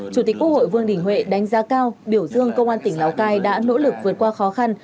chủ tịch quốc hội vương đình huệ đánh giá cao biểu dương công an tỉnh lào cai đã nỗ lực vượt qua khó khăn